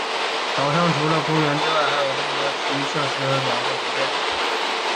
岛上现在除了公园之外还有众多体育设施和两座酒店。